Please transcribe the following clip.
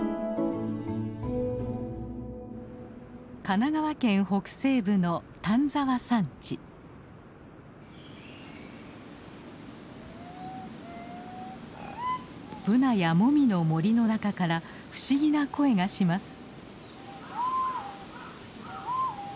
神奈川県北西部のブナやモミの森の中から不思議な声がします。